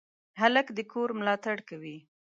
هلک د کور ملاتړ کوي.